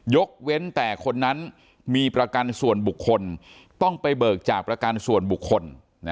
เว้นแต่คนนั้นมีประกันส่วนบุคคลต้องไปเบิกจากประกันส่วนบุคคล